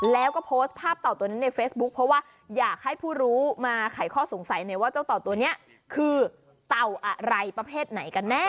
แล้วก็โพสต์ภาพเต่าตัวนั้นในเฟซบุ๊คเพราะว่าอยากให้ผู้รู้มาไขข้อสงสัยหน่อยว่าเจ้าเต่าตัวนี้คือเต่าอะไรประเภทไหนกันแน่